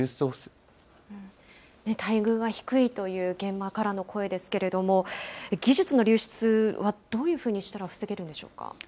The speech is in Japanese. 待遇が低いという現場からの声ですけれども、技術の流出はどういうふうにしたら防げるのでしょうか。